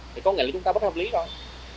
thì có nghĩa là chúng ta bất hợp lý thôi